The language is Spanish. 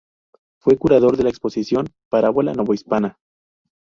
Fue curador de la exposición "Parábola novohispana.